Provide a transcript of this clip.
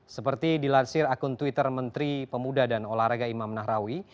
seperti dilansir akun twitter menteri pemuda dan olahraga imam nahrawi